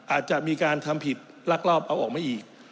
อาจจะมีการทำผิดลักลอบเอาออกมาอีก